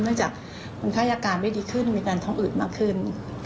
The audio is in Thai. เนื่องจากคนไข้อาการไม่ดีขึ้นมีการท้องอืดมากขึ้น